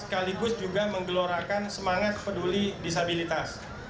sekaligus juga menggelorakan semangat peduli disabilitas